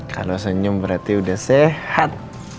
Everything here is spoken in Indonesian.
kalau senyum berarti udah sehat